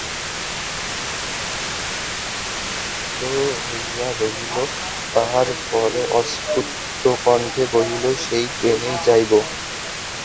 বিনোদিনী একটুখানি স্তব্ধ হইয়া রহিল, তাহার পরে অস্ফুটকণ্ঠে কহিল, সেই ট্রেনেই যাইব।